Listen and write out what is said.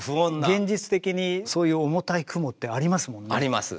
現実的にそういう重たい雲ってありますもんね。あります。